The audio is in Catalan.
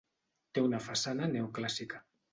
Té una façana neoclàssica.